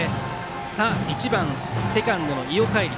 １番セカンドの伊尾海遼。